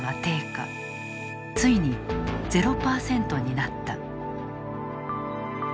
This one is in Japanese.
ついに０％になった。